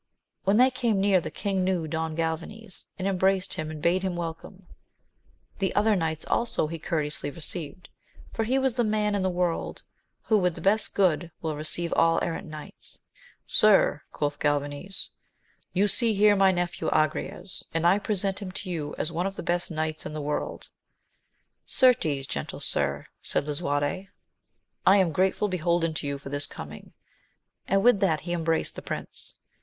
When they came near, the king knew Don Galvanes, and embraced him and bade him wel come. The other knights also he courteously received, for he was the man in the world who with the best good will received all errant knights. Sir, quoth Galvanes, you see here my nephew Agrayes, and I present him to you as one of the beat kai^t^ \sl \ksj^ world, CerteSf gentle sir, mi Tu\a\xax\»^,\ ^^sv ^'^^jSsiv^j 144 AMADIS OF GAUL. beholden to you for this coming ; and with that he embraced the prince.